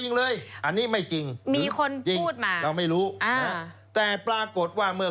จริงเลยอันนี้ไม่จริงมีคนพูดมาเราไม่รู้อ่าแต่ปรากฏว่าเมื่อ